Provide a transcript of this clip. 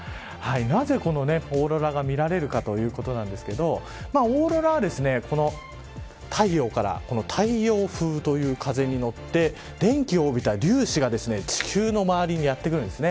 なぜ、このオーロラが見られるかということなんですけどオーロラは太陽から太陽風という風に乗って電気を帯びた粒子が地球の周りにやってくるんです。